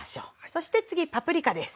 そして次パプリカです。